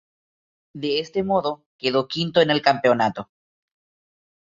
De este modo, quedó quinto en el campeonato.